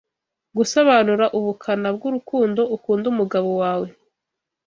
gusobanura ubukana bw'urukundo ukunda umugabo wawe